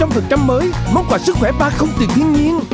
sứa tươi vinamil một trăm linh mới mong quả sức khỏe ba không từ thiên nhiên